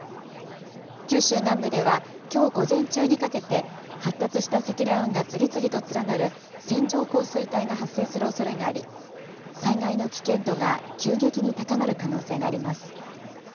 九州南部ではきょう午前中にかけて、発達した積乱雲が次々と連なる線状降水帯が発生するおそれがあり、災害の危険度が急激に高まる可能性があります。